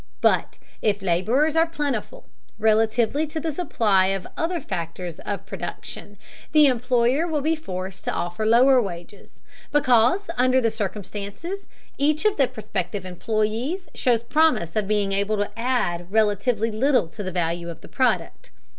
But if laborers are plentiful, relatively to the supply of the other factors of production, the employer will be forced to offer lower wages, because under the circumstances each of the prospective employees shows promise of being able to add relatively little to the value of the product.